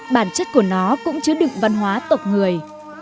bản chất của nó cũng chứa đựng văn hóa tộc người